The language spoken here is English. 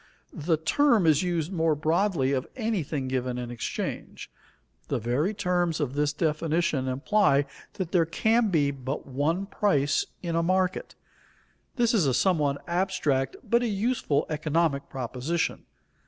The term is used more broadly of anything given in exchange. The very terms of this definition imply that there can be but one price in a market. This is a somewhat abstract but a useful economic proposition.